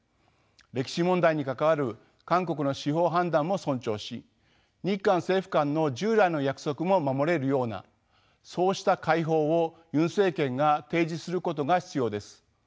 歴史問題に関わる韓国の司法判断も尊重し日韓政府間の従来の約束も守れるようなそうした解法をユン政権が提示することが必要です。